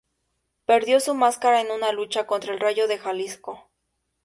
Perdió su máscara en una lucha contra el Rayo de Jalisco Jr.